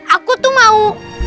aku tuh mau